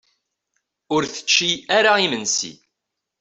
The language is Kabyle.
Ur tečči ara imensi.